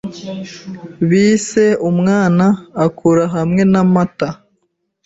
Bise umwana akura hamwe namata